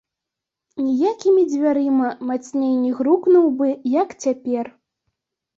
Ніякімі дзвярыма мацней не грукнуў бы, як цяпер.